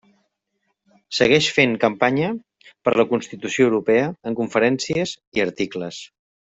Segueix fent campanya per la Constitució Europea en conferències i articles.